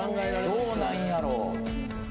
どうなんやろう？